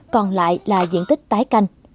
còn lại là diện tích tái canh